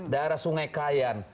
daerah sungai kayan